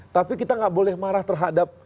tapi kita nggak boleh marah terhadap